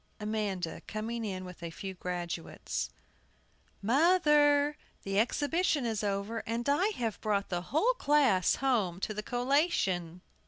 AMANDA [coming in with a few graduates ]. MOTHER, the exhibition is over, and I have brought the whole class home to the collation.